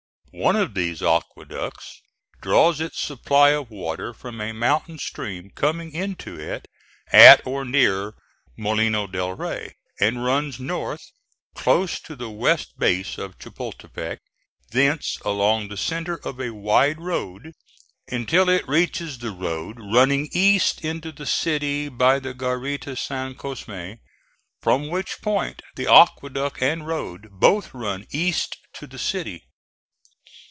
One of these aqueducts draws its supply of water from a mountain stream coming into it at or near Molino del Rey, and runs north close to the west base of Chapultepec; thence along the centre of a wide road, until it reaches the road running east into the city by the Garita San Cosme; from which point the aqueduct and road both run east to the city.